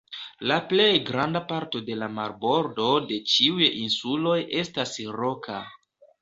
La plej granda parto de la marbordo de ĉiuj insuloj estas roka.